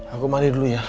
aku mandi dulu ya